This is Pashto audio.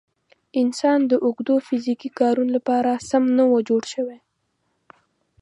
انسان د اوږدو فیزیکي کارونو لپاره سم نه و جوړ شوی.